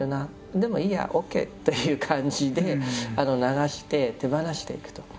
でもいいやＯＫという感じで流して手放していくと。